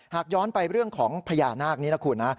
หากย้อนไปเรื่องของพญานาคนี้นะคุณนะ